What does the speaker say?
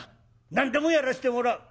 何でもやらしてもらう」。